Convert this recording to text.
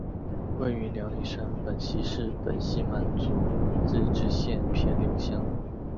位于辽宁省本溪市本溪满族自治县偏岭乡。